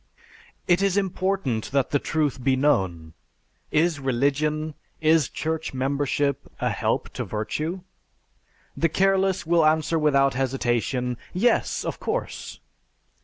"It is important that the truth be known. Is religion, is church membership, a help to virtue? The careless will answer without hesitation, Yes! of course.